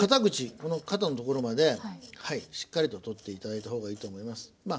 この肩の所までしっかりと取っていただいた方がいいと思います。